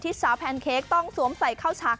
สาวแพนเค้กต้องสวมใส่เข้าฉาก